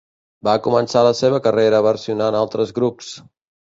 Va començar la seva carrera versionant altres grups.